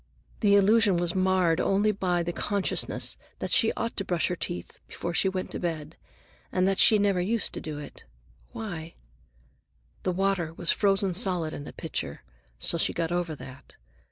The illusion was marred only by the consciousness that she ought to brush her teeth before she went to bed, and that she never used to do it. Why—? The water was frozen solid in the pitcher, so she got over that.